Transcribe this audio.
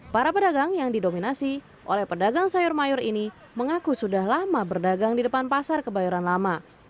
para pedagang yang didominasi oleh pedagang sayur mayur ini mengaku sudah lama berdagang di depan pasar kebayoran lama